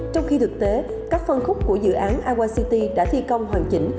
trong khi thực tế các phân khúc của dự án aqua city đã thi công hoàn chỉnh